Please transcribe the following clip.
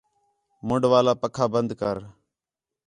مُنڈولا پَکھا بند کر